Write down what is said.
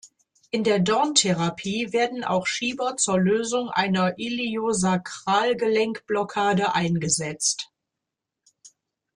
In der Dorn-Therapie werden auch Schieber zur Lösung einer Iliosakralgelenk-Blockade eingesetzt.